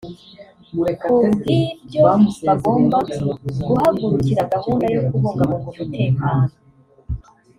kubwibyo bagomba kuhagurukira gahunda yo kubungabunga umutekano